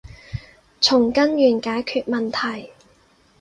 從根源解決問題